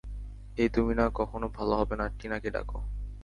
এই তুমি না কখনো ভালো হবে না টিনাকে ডাকো।